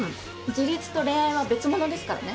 自立と恋愛は別物ですからね。